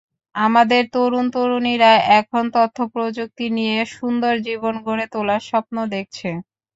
আমাদের তরুণ-তরুণীরা এখন তথ্যপ্রযুক্তি নিয়ে সুন্দর জীবন গড়ে তোলার স্বপ্ন দেখছে।